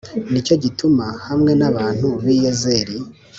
Ni cyo gituma hamwe n’abantu b’i Yezeri,